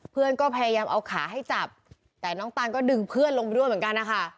เพื่อนก็พยายามเอาขาให้จับแต่น้องตานก็ดึงเพื่อนลงไปด้วยเหมือนกันนะคะ